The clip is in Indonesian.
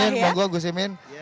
ini teman gue gus muhaymin